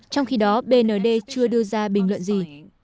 trong khi đó bnd chưa đưa ra bình luận gì